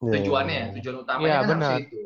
tujuannya ya tujuan utamanya kan harusnya itu